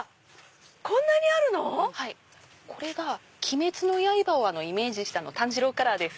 これが『鬼滅の刃』をイメージした炭治郎カラーです。